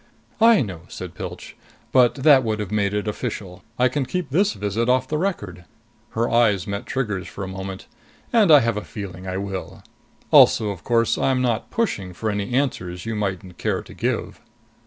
"I know," said Pilch. "But that would have made it official. I can keep this visit off the record." Her eyes met Trigger's for a moment. "And I have a feeling I will. Also, of course, I'm not pushing for any answers you mightn't care to give."